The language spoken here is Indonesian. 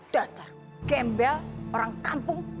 dasar gembel orang kampung